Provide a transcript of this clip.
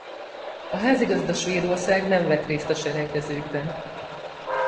A házigazda Svédország nem vett részt a selejtezőkben.